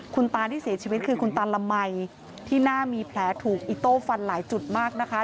คุณตาที่เสียชีวิตคือคุณตาละมัยที่หน้ามีแผลถูกอิโต้ฟันหลายจุดมากนะคะ